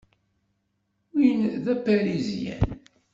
Win d Aparizyan.